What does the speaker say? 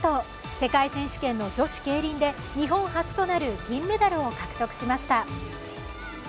世界選手権の女子ケイリンで日本初となる銀メダルを獲得しました。